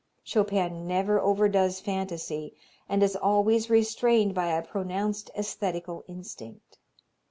... Chopin never overdoes fantasy, and is always restrained by a pronounced aesthetical instinct.